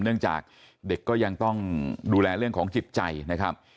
เนื่องจากเด็กก็ยังต้องดูแลเรื่องของจิตใจนะครับ